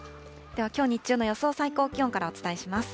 では、きょう日中の予想最高気温からお伝えします。